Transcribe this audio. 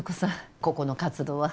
ここの活動は。